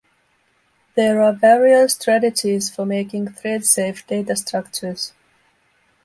There are various strategies for making thread-safe data structures.